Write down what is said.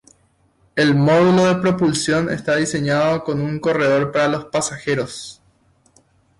El módulo de propulsión está diseñado con un corredor para los pasajeros.